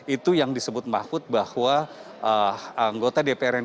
itu yang disebut mahfud bahwa anggota dpr yang dihubungi